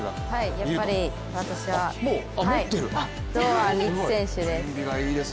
やっぱり私は、堂安律選手です。